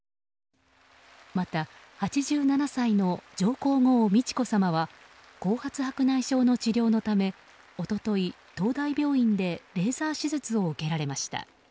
また８７歳の上皇后・美智子さまは後発白内障の治療のため一昨日、東大病院でレーザー手術を受けられました。